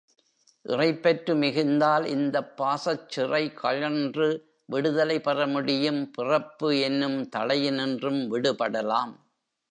இறைப்பற்று மிகுந்தால் இந்தப் பாசச்சிறை கழன்று விடுதலை பெறமுடியும் பிறப்பு என்னும் தளையினின்றும் விடுபடலாம்.